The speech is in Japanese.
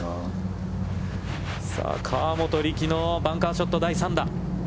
さあ河本力のバンカーショット第３打。